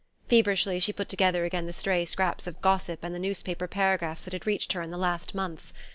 Feverishly, she put together again the stray scraps of gossip and the newspaper paragraphs that had reached her in the last months.